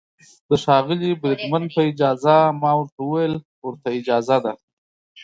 د ښاغلي بریدمن په اجازه، ما ورته وویل: ورته اجازه ده.